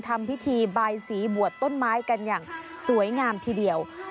ทำพิธีบายสีบวชต้นไม้กันอย่างสวยงามทีเดียว